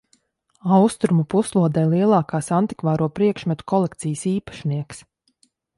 Austrumu puslodē lielākās antikvāro priekšmetu kolekcijas īpašnieks.